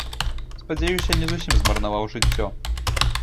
Спадзяюся, не зусім змарнаваў жыццё.